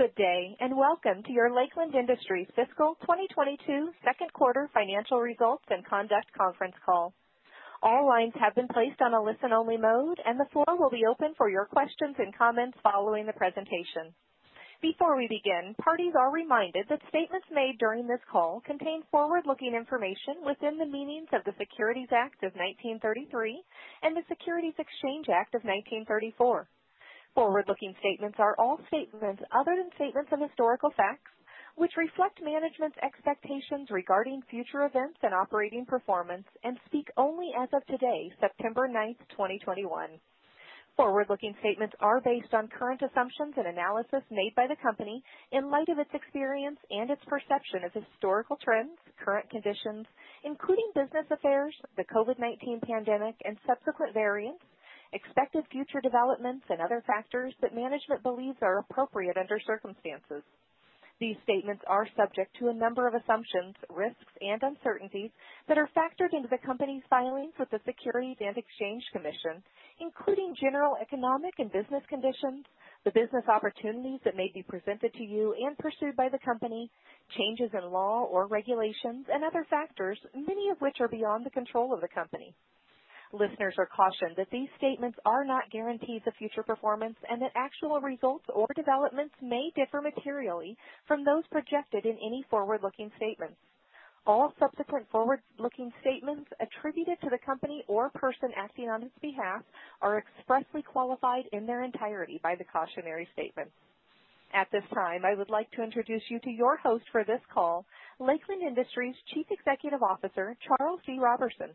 Good day, welcome to your Lakeland Industries fiscal 2022 second quarter financial results and conduct conference call. All lines have been placed on a listen-only mode, and the floor will be open for your questions and comments following the presentation. Before we begin, parties are reminded that statements made during this call contain forward-looking information within the meanings of the Securities Act of 1933 and the Securities Exchange Act of 1934. Forward-looking statements are all statements other than statements of historical facts, which reflect management's expectations regarding future events and operating performance and speak only as of today, September 9th, 2021. Forward-looking statements are based on current assumptions and analysis made by the company in light of its experience and its perception of historical trends, current conditions, including business affairs, the COVID-19 pandemic and subsequent variants, expected future developments and other factors that management believes are appropriate under circumstances. These statements are subject to a number of assumptions, risks, and uncertainties that are factored into the company's filings with the Securities and Exchange Commission, including general economic and business conditions, the business opportunities that may be presented to you and pursued by the company, changes in law or regulations, and other factors, many of which are beyond the control of the company. Listeners are cautioned that these statements are not guarantees of future performance, and that actual results or developments may differ materially from those projected in any forward-looking statements. All subsequent forward-looking statements attributed to the company or person acting on its behalf are expressly qualified in their entirety by the cautionary statements. At this time, I would like to introduce you to your host for this call, Lakeland Industries Chief Executive Officer, Charles D. Roberson.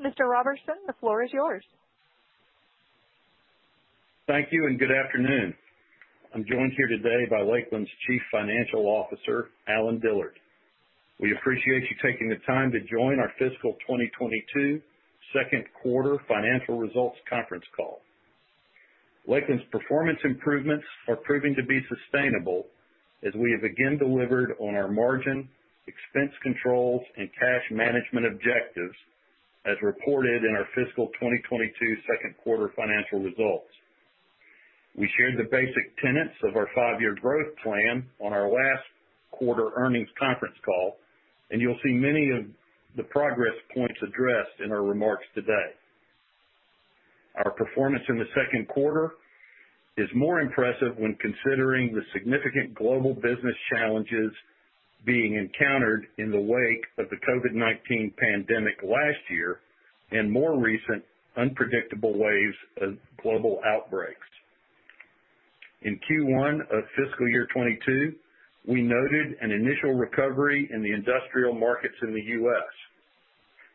Mr. Roberson, the floor is yours. Thank you and good afternoon. I'm joined here today by Lakeland's Chief Financial Officer, Allen Dillard. We appreciate you taking the time to join our fiscal 2022 second quarter financial results conference call. Lakeland's performance improvements are proving to be sustainable as we have again delivered on our margin, expense controls, and cash management objectives as reported in our fiscal 2022 second quarter financial results. We shared the basic tenets of our five-year growth plan on our last quarter earnings conference call, and you'll see many of the progress points addressed in our remarks today. Our performance in the second quarter is more impressive when considering the significant global business challenges being encountered in the wake of the COVID-19 pandemic last year and more recent unpredictable waves of global outbreaks. In Q1 of fiscal year 2022, we noted an initial recovery in the industrial markets in the U.S.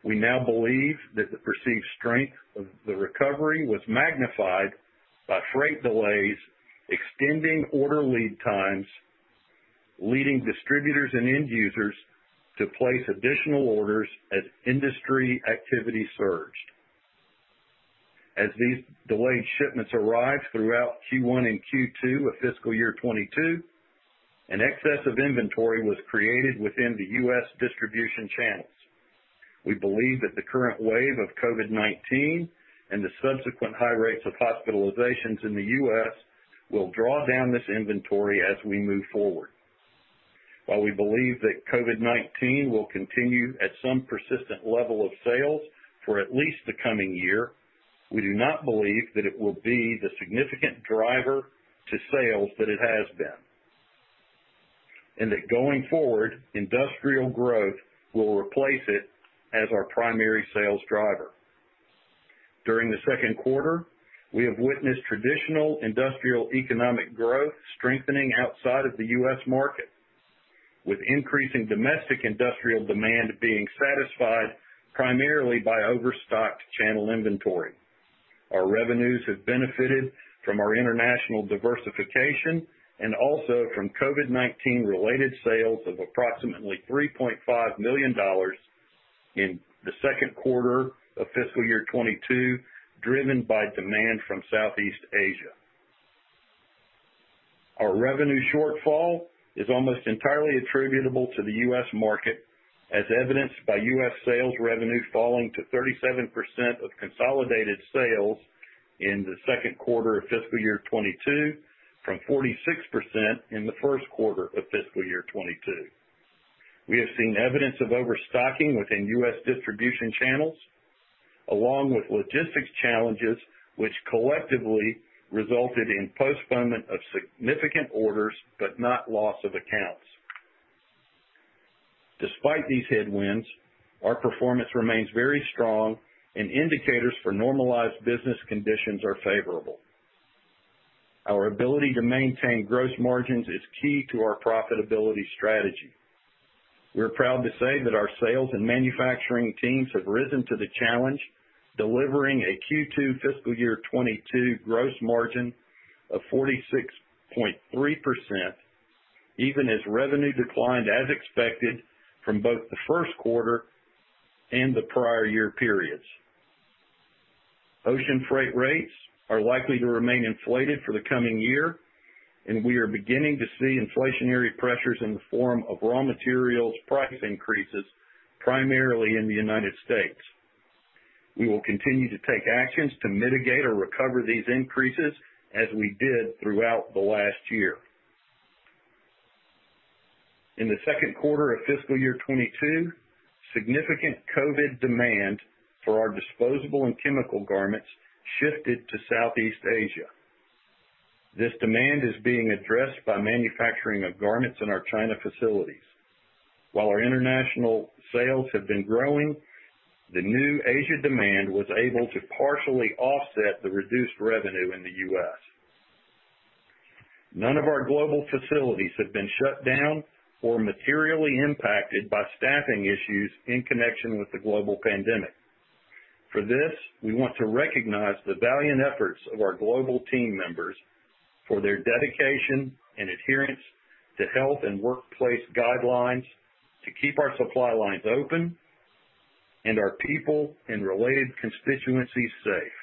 We now believe that the perceived strength of the recovery was magnified by freight delays extending order lead times, leading distributors and end users to place additional orders as industry activity surged. As these delayed shipments arrived throughout Q1 and Q2 of fiscal year 2022, an excess of inventory was created within the U.S. distribution channels. We believe that the current wave of COVID-19 and the subsequent high rates of hospitalizations in the U.S. will draw down this inventory as we move forward. While we believe that COVID-19 will continue at some persistent level of sales for at least the coming year, we do not believe that it will be the significant driver to sales that it has been, and that going forward, industrial growth will replace it as our primary sales driver. During the second quarter, we have witnessed traditional industrial economic growth strengthening outside of the U.S. market, with increasing domestic industrial demand being satisfied primarily by overstocked channel inventory. Our revenues have benefited from our international diversification and also from COVID-19 related sales of approximately $3.5 million in the second quarter of fiscal year 2022, driven by demand from Southeast Asia. Our revenue shortfall is almost entirely attributable to the U.S. market, as evidenced by U.S. sales revenue falling to 37% of consolidated sales in the second quarter of fiscal year 2022, from 46% in the first quarter of fiscal year 2022. We have seen evidence of overstocking within U.S. distribution channels, along with logistics challenges, which collectively resulted in postponement of significant orders, but not loss of accounts. Despite these headwinds, our performance remains very strong and indicators for normalized business conditions are favorable. Our ability to maintain gross margins is key to our profitability strategy. We're proud to say that our sales and manufacturing teams have risen to the challenge, delivering a Q2 fiscal year 2022 gross margin of 46.3%, even as revenue declined as expected from both the first quarter and the prior year periods. Ocean freight rates are likely to remain inflated for the coming year, we are beginning to see inflationary pressures in the form of raw materials price increases, primarily in the U.S. We will continue to take actions to mitigate or recover these increases as we did throughout the last year. In the second quarter of fiscal year 2022, significant COVID-19 demand for our disposable and chemical garments shifted to Southeast Asia. This demand is being addressed by manufacturing of garments in our China facilities. While our international sales have been growing, the new Asia demand was able to partially offset the reduced revenue in the U.S. None of our global facilities have been shut down or materially impacted by staffing issues in connection with the global pandemic. For this, we want to recognize the valiant efforts of our global team members for their dedication and adherence to health and workplace guidelines to keep our supply lines open and our people and related constituencies safe.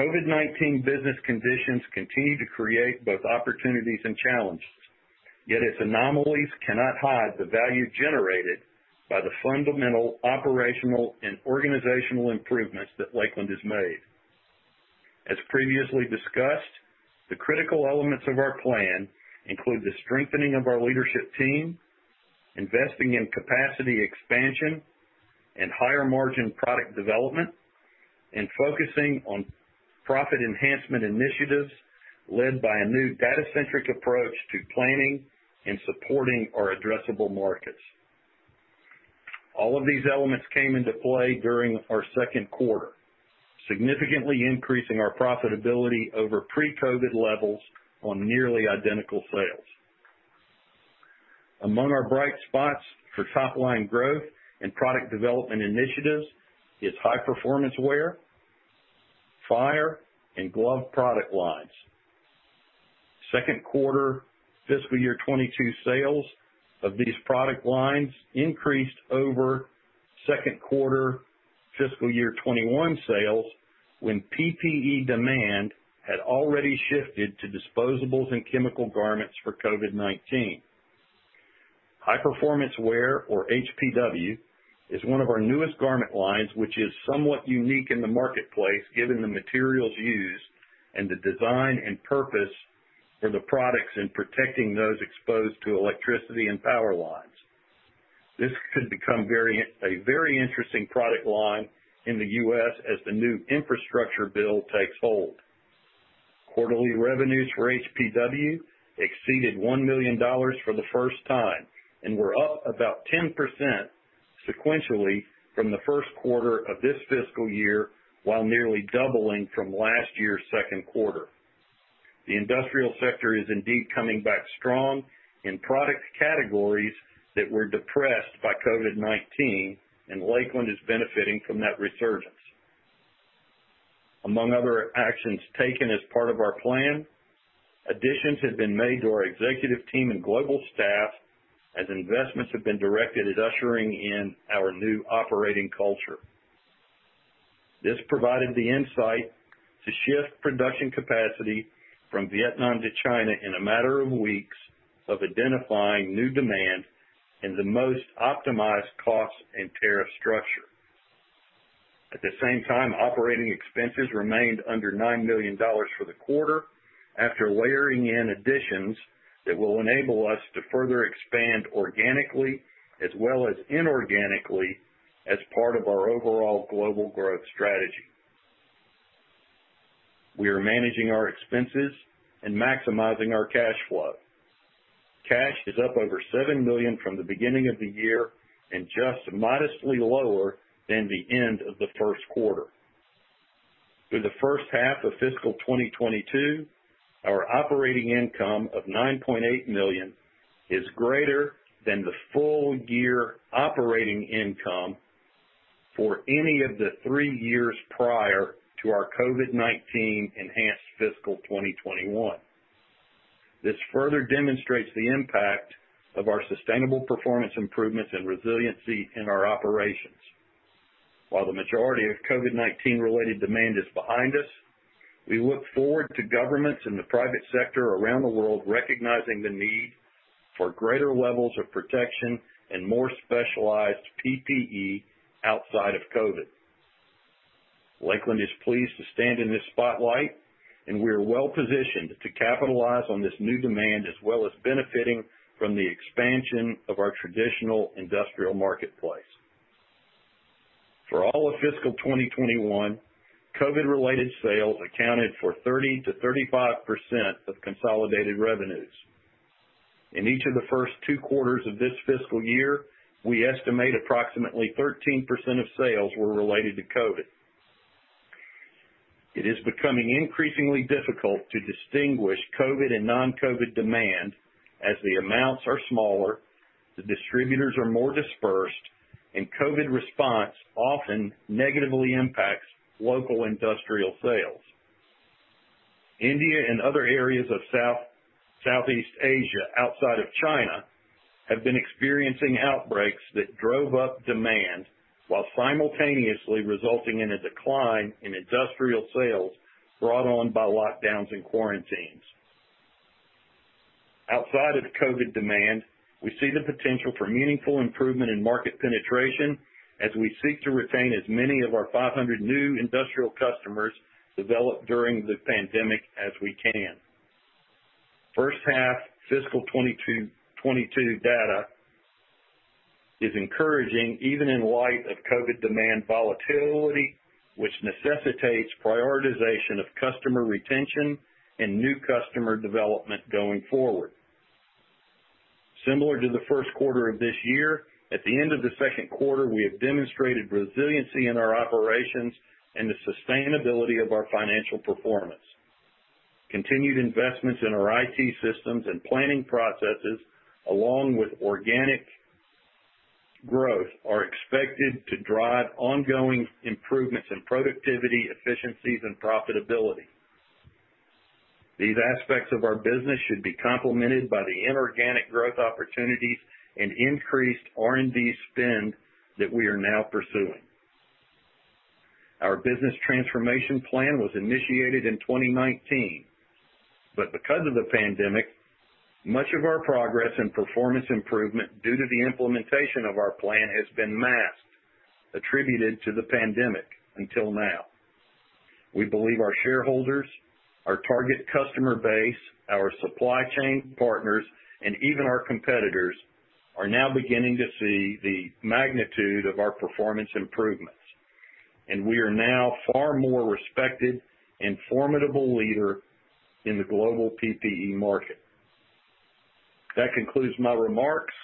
COVID-19 business conditions continue to create both opportunities and challenges, yet its anomalies cannot hide the value generated by the fundamental operational and organizational improvements that Lakeland has made. As previously discussed, the critical elements of our plan include the strengthening of our leadership team, investing in capacity expansion and higher margin product development, and focusing on profit enhancement initiatives led by a new data-centric approach to planning and supporting our addressable markets. All of these elements came into play during our second quarter, significantly increasing our profitability over pre-COVID levels on nearly identical sales. Among our bright spots for top-line growth and product development initiatives is High Performance Wear, fire, and glove product lines. Second quarter fiscal year 2022 sales of these product lines increased over second quarter fiscal year 2021 sales when PPE demand had already shifted to disposables and chemical garments for COVID-19. High Performance Wear, or HPW, is one of our newest garment lines which is somewhat unique in the marketplace given the materials used and the design and purpose for the products in protecting those exposed to electricity and power lines. This could become a very interesting product line in the U.S. as the new infrastructure bill takes hold. Quarterly revenues for HPW exceeded $1 million for the first time and were up about 10% sequentially from the first quarter of this fiscal year, while nearly doubling from last year's second quarter. The industrial sector is indeed coming back strong in product categories that were depressed by COVID-19, and Lakeland is benefiting from that resurgence. Among other actions taken as part of our plan, additions have been made to our executive team and global staff as investments have been directed at ushering in our new operating culture. This provided the insight to shift production capacity from Vietnam to China in a matter of weeks of identifying new demand in the most optimized cost and tariff structure. At the same time, operating expenses remained under $9 million for the quarter after layering in additions that will enable us to further expand organically as well as inorganically as part of our overall global growth strategy. We are managing our expenses and maximizing our cash flow. Cash is up over $7 million from the beginning of the year and just modestly lower than the end of the first quarter. Through the first half of fiscal 2022, our operating income of $9.8 million is greater than the full year operating income for any of the three years prior to our COVID-19 enhanced fiscal 2021. This further demonstrates the impact of our sustainable performance improvements and resiliency in our operations. While the majority of COVID-19 related demand is behind us, we look forward to governments and the private sector around the world recognizing the need for greater levels of protection and more specialized PPE outside of COVID. Lakeland is pleased to stand in this spotlight, and we are well positioned to capitalize on this new demand as well as benefiting from the expansion of our traditional industrial marketplace. For all of fiscal 2021, COVID-related sales accounted for 30%-35% of consolidated revenues. In each of the first two quarters of this fiscal year, we estimate approximately 13% of sales were related to COVID. It is becoming increasingly difficult to distinguish COVID and non-COVID demand as the amounts are smaller, the distributors are more dispersed, and COVID response often negatively impacts local industrial sales. India and other areas of Southeast Asia outside of China have been experiencing outbreaks that drove up demand while simultaneously resulting in a decline in industrial sales brought on by lockdowns and quarantines. Outside of the COVID demand, we see the potential for meaningful improvement in market penetration as we seek to retain as many of our 500 new industrial customers developed during the pandemic as we can. First half fiscal 2022 data is encouraging, even in light of COVID demand volatility, which necessitates prioritization of customer retention and new customer development going forward. Similar to the first quarter of this year, at the end of the second quarter, we have demonstrated resiliency in our operations and the sustainability of our financial performance. Continued investments in our IT systems and planning processes, along with organic growth, are expected to drive ongoing improvements in productivity, efficiencies, and profitability. These aspects of our business should be complemented by the inorganic growth opportunities and increased R&D spend that we are now pursuing. Our business transformation plan was initiated in 2019, but because of the pandemic, much of our progress and performance improvement due to the implementation of our plan has been masked, attributed to the pandemic, until now. We believe our shareholders, our target customer base, our supply chain partners, and even our competitors are now beginning to see the magnitude of our performance improvements, and we are now far more respected and formidable leader in the global PPE market. That concludes my remarks.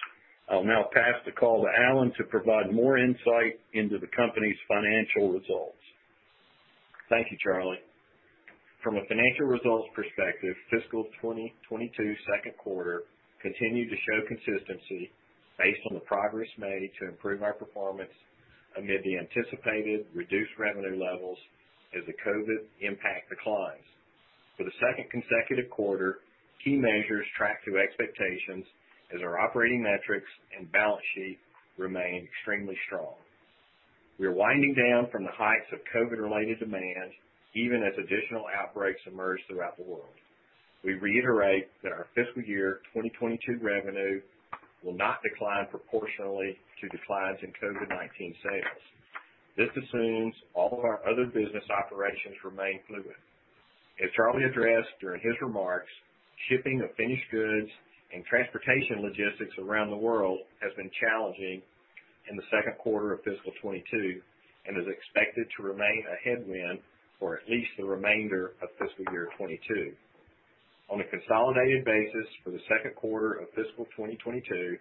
I'll now pass the call to Allen to provide more insight into the company's financial results. Thank you, Charlie. From a financial results perspective, fiscal 2022 second quarter continued to show consistency based on the progress made to improve our performance amid the anticipated reduced revenue levels as the COVID-19 impact declines. For the second consecutive quarter, key measures tracked to expectations as our operating metrics and balance sheet remain extremely strong. We are winding down from the heights of COVID-19-related demand, even as additional outbreaks emerge throughout the world. We reiterate that our fiscal year 2022 revenue will not decline proportionally to declines in COVID-19 sales. This assumes all of our other business operations remain fluid. As Charlie addressed during his remarks, shipping of finished goods and transportation logistics around the world has been challenging in the second quarter of fiscal 2022 and is expected to remain a headwind for at least the remainder of fiscal year 2022. On a consolidated basis for the second quarter of fiscal 2022,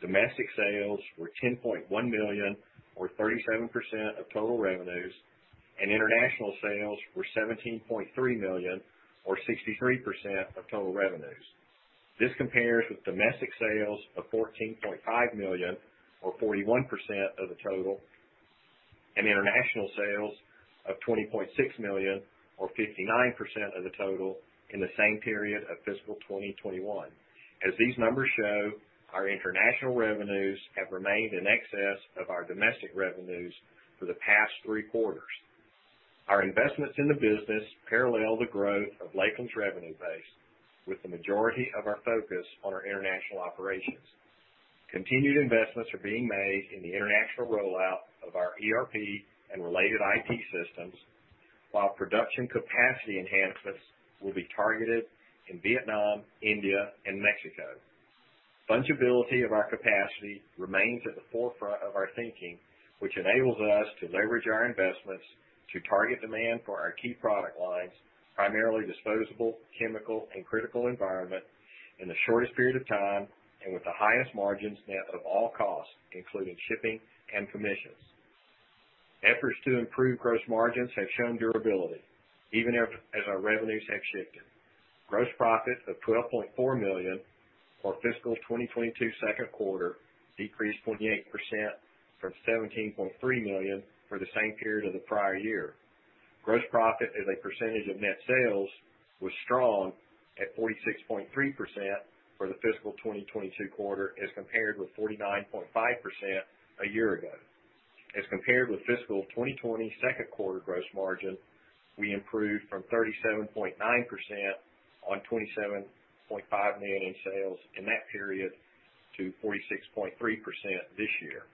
domestic sales were $10.1 million, or 37% of total revenues, and international sales were $17.3 million, or 63% of total revenues. This compares with domestic sales of $14.5 million, or 41% of the total, and international sales of $20.6 million, or 59% of the total, in the same period of fiscal 2021. As these numbers show, our international revenues have remained in excess of our domestic revenues for the past three quarters. Our investments in the business parallel the growth of Lakeland's revenue base, with the majority of our focus on our international operations. Continued investments are being made in the international rollout of our ERP and related IT systems, while production capacity enhancements will be targeted in Vietnam, India, and Mexico. Fungibility of our capacity remains at the forefront of our thinking, which enables us to leverage our investments to target demand for our key product lines, primarily disposable, chemical, and critical environment, in the shortest period of time and with the highest margins net of all costs, including shipping and commissions. Efforts to improve gross margins have shown durability even as our revenues have shifted. Gross profit of $12.4 million for fiscal 2022 second quarter decreased 28% from $17.3 million for the same period of the prior year. Gross profit as a percentage of net sales was strong at 46.3% for the fiscal 2022 quarter as compared with 49.5% a year ago. As compared with fiscal 2020 second quarter gross margin, we improved from 37.9% on $27.5 million in sales in that period to 46.3% this year.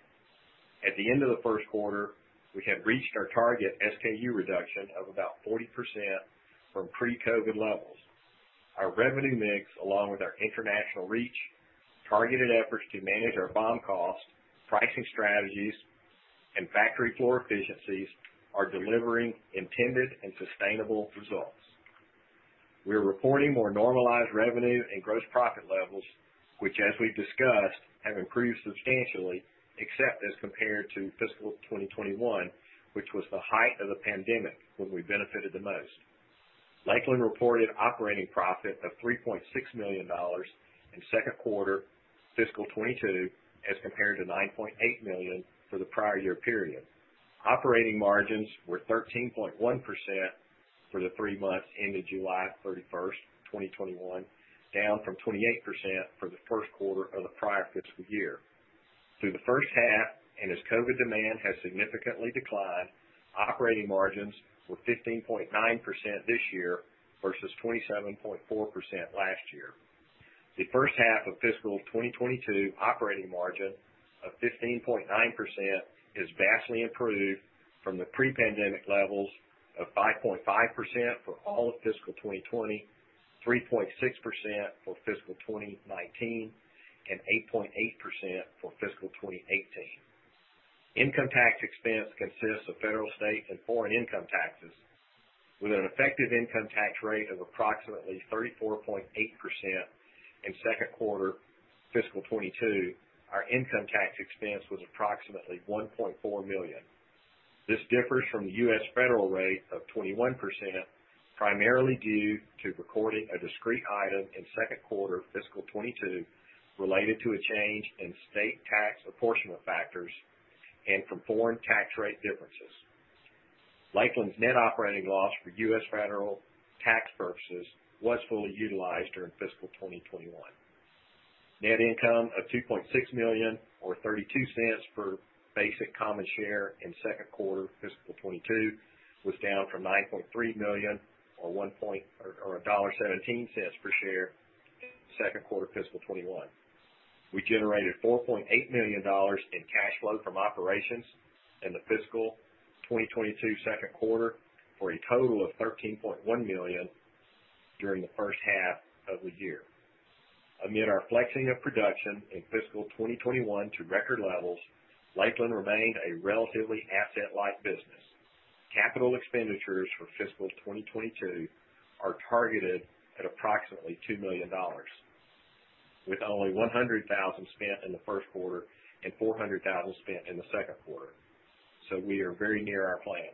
At the end of the first quarter, we have reached our target SKU reduction of about 40% from pre-COVID levels. Our revenue mix, along with our international reach, targeted efforts to manage our BOM cost, pricing strategies, and factory floor efficiencies are delivering intended and sustainable results. We are reporting more normalized revenue and gross profit levels, which, as we've discussed, have improved substantially, except as compared to fiscal 2021, which was the height of the pandemic when we benefited the most. Lakeland reported operating profit of $3.6 million in second quarter fiscal 2022 as compared to $9.8 million for the prior year period. Operating margins were 13.1% for the three months ended July 31st, 2021, down from 28% for the first quarter of the prior fiscal year. Through the first half, and as COVID demand has significantly declined, operating margins were 15.9% this year versus 27.4% last year. The first half of fiscal 2022 operating margin of 15.9% is vastly improved from the pre-pandemic levels of 5.5% for all of fiscal 2020, 3.6% for fiscal 2019, and 8.8% for fiscal 2018. Income tax expense consists of federal state and foreign income taxes. With an effective income tax rate of approximately 34.8% in second quarter fiscal 2022, our income tax expense was approximately $1.4 million. This differs from the U.S. federal rate of 21%, primarily due to recording a discrete item in second quarter fiscal 2022 related to a change in state tax apportionment factors and from foreign tax rate differences. Lakeland's net operating loss for U.S. federal tax purposes was fully utilized during fiscal 2021. Net income of $2.6 million or $0.32 per basic common share in second quarter fiscal 2022 was down from $9.3 million or $1.17 per share second quarter fiscal 2021. We generated $4.8 million in cash flow from operations in the fiscal 2022 second quarter, for a total of $13.1 million during the first half of the year. Amid our flexing of production in fiscal 2021 to record levels, Lakeland remained a relatively asset-light business. Capital expenditures for fiscal 2022 are targeted at approximately $2 million, with only $100,000 spent in the first quarter and $400,000 spent in the second quarter. We are very near our plan.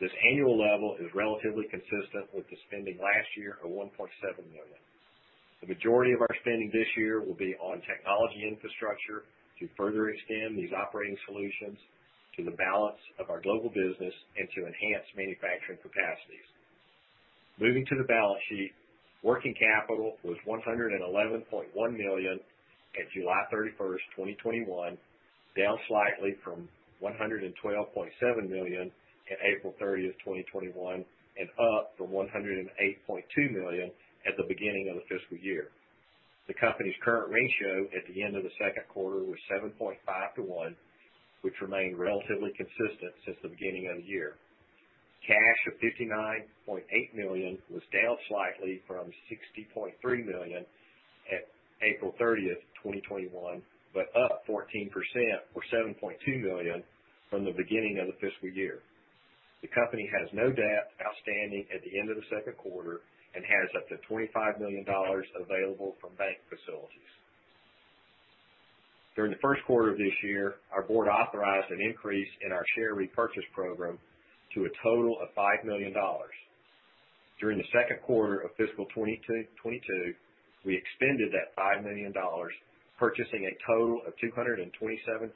This annual level is relatively consistent with the spending last year of $1.7 million. The majority of our spending this year will be on technology infrastructure to further extend these operating solutions to the balance of our global business and to enhance manufacturing capacities. Moving to the balance sheet, working capital was $111.1 million at July 31st, 2021, down slightly from $112.7 million at April 30th, 2021, and up from $108.2 million at the beginning of the fiscal year. The company's current ratio at the end of the second quarter was 7.5:1, which remained relatively consistent since the beginning of the year. Cash of $59.8 million was down slightly from $60.3 million at April 30th, 2021, but up 14%, or $7.2 million from the beginning of the fiscal year. The company has no debt outstanding at the end of the second quarter and has up to $25 million available from bank facilities. During the first quarter of this year, our Board authorized an increase in our share repurchase program to a total of $5 million. During the second quarter of fiscal 2022, we expended that $5 million, purchasing a total of 227,454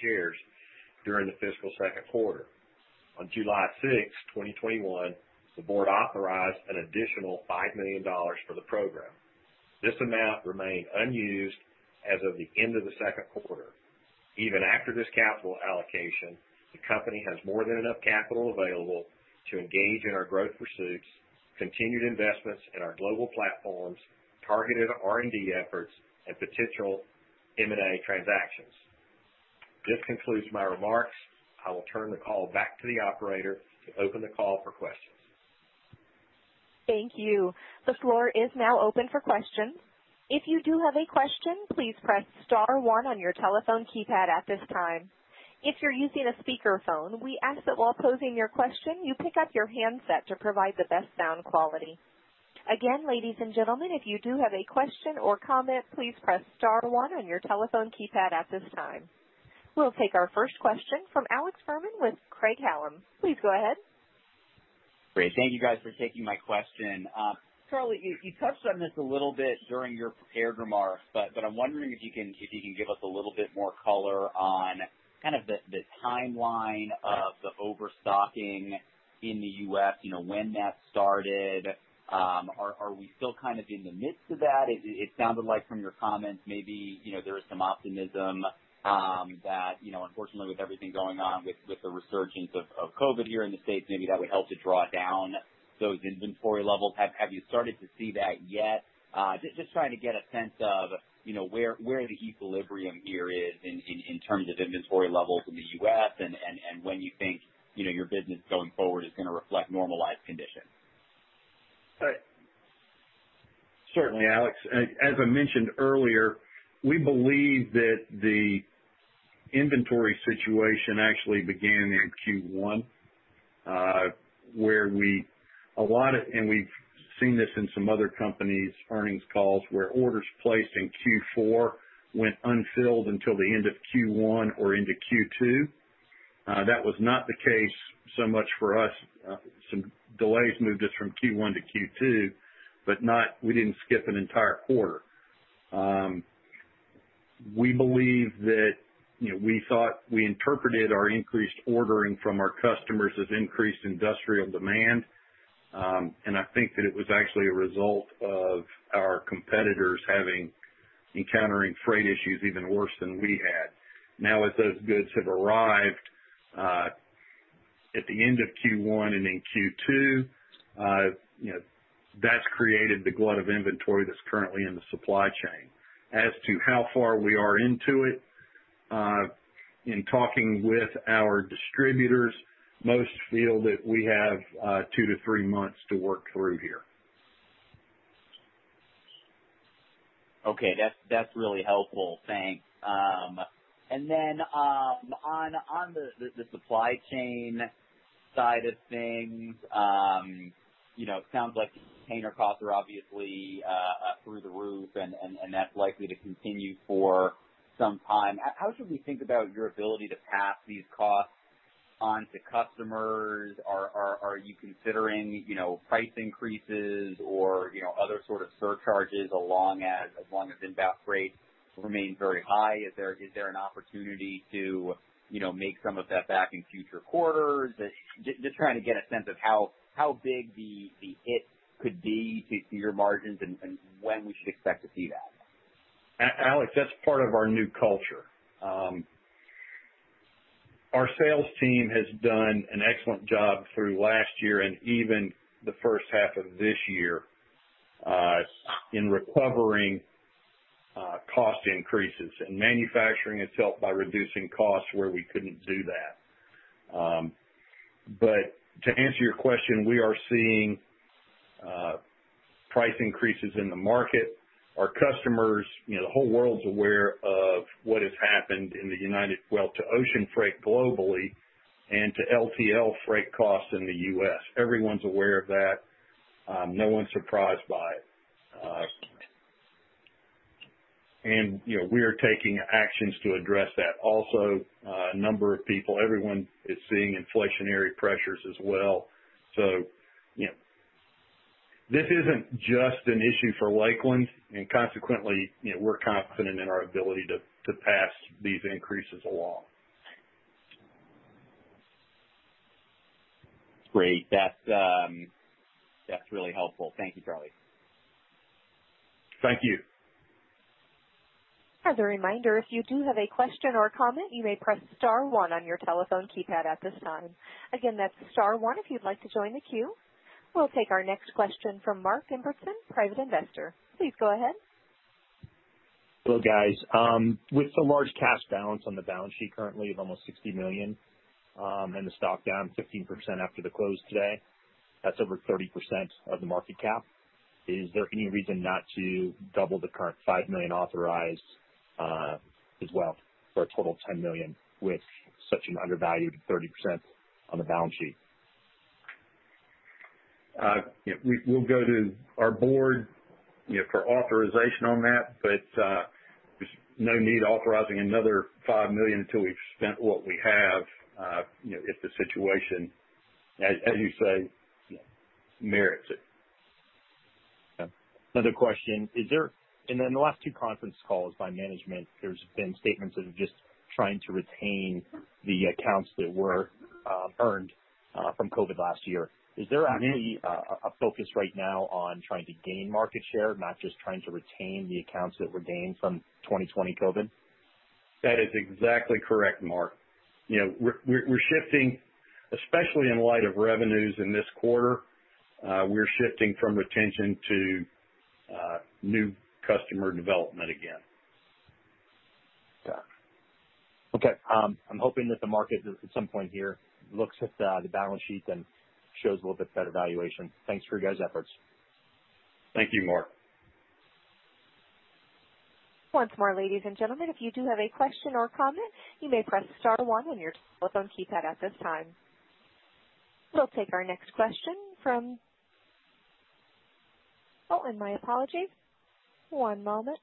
shares during the fiscal second quarter. On July 6th, 2021, the board authorized an additional $5 million for the program. This amount remained unused as of the end of the second quarter. Even after this capital allocation, the company has more than enough capital available to engage in our growth pursuits, continued investments in our global platforms, targeted R&D efforts, and potential M&A transactions. This concludes my remarks. I will turn the call back to the operator to open the call for questions. Thank you. The floor is now open for questions. If you do have a question, please press star one on your telephone keypad at this time. If you're using a speakerphone, we ask that while posing your question, you pick up your handset to provide the best sound quality. Again, ladies and gentlemen, if you do have a question or comment, please press star one on your telephone keypad at this time. We'll take our first question from Alex Fuhrman with Craig-Hallum. Please go ahead. Great. Thank you guys for taking my question. Charlie, you touched on this a little bit during your prepared remarks, but I'm wondering if you can give us a little bit more color on kind of the timeline of the overstocking in the U.S., when that started. Are we still kind of in the midst of that? It sounded like from your comments, maybe there is some optimism that unfortunately, with everything going on with the resurgence of COVID here in the States, maybe that would help to draw down those inventory levels. Have you started to see that yet? Just trying to get a sense of where the equilibrium here is in terms of inventory levels in the U.S. and when you think your business going forward is going to reflect normalized conditions. Certainly, Alex. As I mentioned earlier, we believe that the inventory situation actually began in Q1, where a lot of, and we've seen this in some other companies' earnings calls, where orders placed in Q4 went unfilled until the end of Q1 or into Q2. That was not the case so much for us. Some delays moved us from Q1 to Q2, but we didn't skip an entire quarter. We believe that, we thought we interpreted our increased ordering from our customers as increased industrial demand I think that it was actually a result of our competitors encountering freight issues even worse than we had. As those goods have arrived, at the end of Q1 and in Q2, that's created the glut of inventory that's currently in the supply chain. As to how far we are into it, in talking with our distributors, most feel that we have two to three months to work through here. Okay. That's really helpful. Thanks. On the supply chain side of things, it sounds like the container costs are obviously through the roof, and that's likely to continue for some time. How should we think about your ability to pass these costs on to customers? Are you considering price increases or other sort of surcharges as long as inbound freight remains very high? Is there an opportunity to make some of that back in future quarters? Just trying to get a sense of how big the hit could be to your margins and when we should expect to see that. Alex, that's part of our new culture. Our sales team has done an excellent job through last year and even the first half of this year, in recovering cost increases. Manufacturing has helped by reducing costs where we couldn't do that. To answer your question, we are seeing price increases in the market. Our customers, the whole world's aware of what has happened in the U.S. to ocean freight globally and to LTL freight costs in the U.S. Everyone's aware of that. No one's surprised by it. We are taking actions to address that. Also, a number of people, everyone is seeing inflationary pressures as well. This isn't just an issue for Lakeland. Consequently, we're confident in our ability to pass these increases along. Great. That's really helpful. Thank you, Charlie. Thank you. As a reminder, if you do have a question or comment, you may press star one on your telephone keypad at this time. Again, that's star one if you'd like to join the queue. We'll take our next question from Mark Imbertson, private investor. Please go ahead Hello, guys. With the large cash balance on the balance sheet currently of almost $60 million, and the stock down 15% after the close today, that's over 30% of the market cap. Is there any reason not to double the current $5 million authorized as well, for a total of $10 million with such an undervalued 30% on the balance sheet? We'll go to our Board for authorization on that. There's no need authorizing another $5 million until we've spent what we have, if the situation, as you say, merits it. Yeah. Another question. In the last two conference calls by management, there's been statements of just trying to retain the accounts that were earned from COVID last year. Is there actually a focus right now on trying to gain market share, not just trying to retain the accounts that were gained from 2020 COVID? That is exactly correct, Mark. Especially in light of revenues in this quarter, we're shifting from retention to new customer development again. Yeah. Okay. I'm hoping that the market at some point here looks at the balance sheet and shows a little bit better valuation. Thanks for your guys' efforts. Thank you, Mark. Once more, ladies and gentlemen, if you do have a question or comment, you may press star one on your telephone keypad at this time. We'll take our next question from- ...Oh, my apologies. One moment.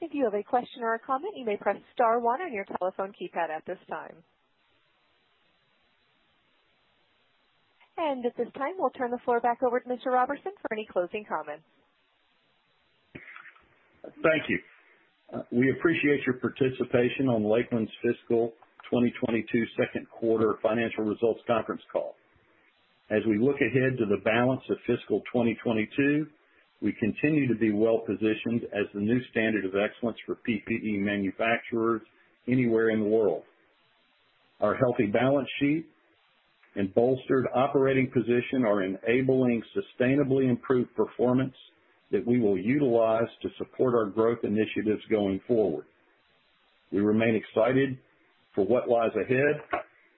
If you have a question or a comment, you may press star one on your telephone keypad at this time. At this time, we'll turn the floor back over to Mr. Roberson for any closing comments. Thank you. We appreciate your participation on Lakeland's fiscal 2022 second quarter financial results conference call. As we look ahead to the balance of fiscal 2022, we continue to be well-positioned as the new standard of excellence for PPE manufacturers anywhere in the world. Our healthy balance sheet and bolstered operating position are enabling sustainably improved performance that we will utilize to support our growth initiatives going forward. We remain excited for what lies ahead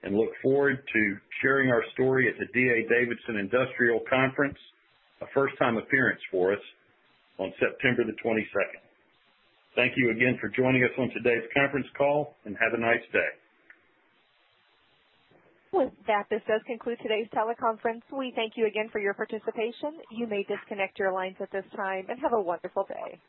and look forward to sharing our story at the D.A. Davidson Industrial Conference, a first-time appearance for us, on September the 22nd. Thank you again for joining us on today's conference call, and have a nice day. With that, this does conclude today's teleconference. We thank you again for your participation. You may disconnect your lines at this time, and have a wonderful day.